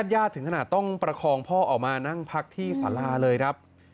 ญาติถึงขนาดต้องประคองพ่อออกมานั่งพักที่สาราเลยครับ